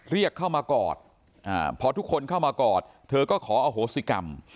เรียกเข้ามากอดพอทุกคนเข้ามากอดเธอก็ขออโหสิกรรม